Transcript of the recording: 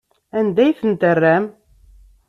Anda ay tent-terram?